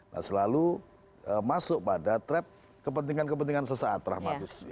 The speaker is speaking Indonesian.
nah selalu masuk pada trap kepentingan kepentingan sesaat dramatis